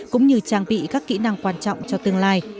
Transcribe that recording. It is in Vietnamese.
cũng như trang bị các kỹ năng quan trọng cho tương lai